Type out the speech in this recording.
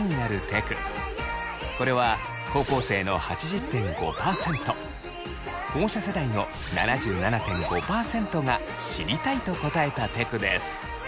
これは高校生の８０．５％保護者世代の７７．５％が「知りたい」と答えたテクです。